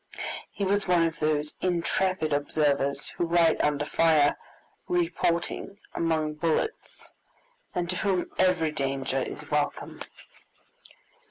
He was one of those intrepid observers who write under fire, "reporting" among bullets, and to whom every danger is welcome.